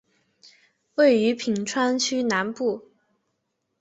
位于品川区南部。